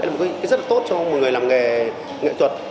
đây là một ý nghĩa rất tốt cho một người làm nghệ thuật